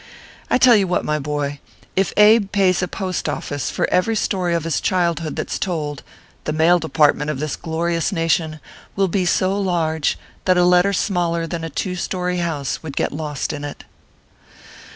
I tell you what, my boy, if Abe pays a post office for every story of his child hood that s told, the mail department of this glorious nation will be so large that a letter smaller than a two story house would get lost in it.